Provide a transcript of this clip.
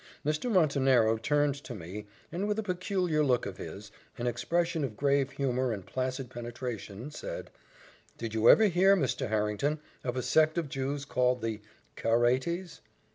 Mr. Montenero turned to me, and, with a peculiar look of his, an expression of grave humour and placid penetration, said, "Did you ever hear, Mr. Harrington, of a sect of Jews called the Caraites?"